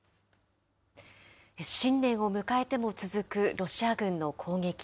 新年を迎えても続くロシア軍の攻撃。